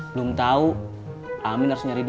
belum tahu amin harus nyari